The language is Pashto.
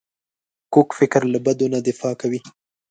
کوږ فکر له بدو نه دفاع کوي